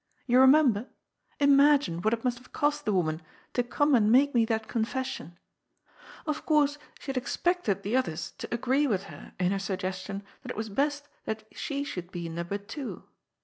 You remember ? Imagine what it must have cost the woman to come and make me that confession*! Of course she had expected the others to agree with her in her suggestion that it was best that she should be number two.